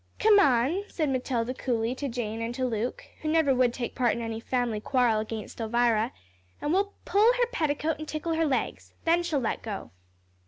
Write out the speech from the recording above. "Come on," said Matilda, coolly, to Jane, and to Luke, who never would take part in any family quarrel against Elvira, "and we'll pull her petticoat and tickle her legs. Then she'll let go."